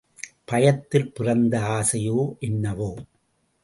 பயத்தில் பிறந்த ஆசையோ என்னவோ?